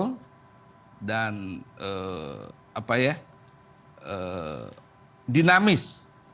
fleksibel dan dinamis